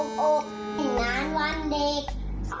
น้องซีนี่ช่วยสนุกว่าให้เพื่อนดู